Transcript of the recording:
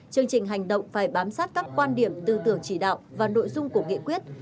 chương trình hành động phải bám sát các quan điểm tư tưởng chỉ đạo và nội dung của nghị quyết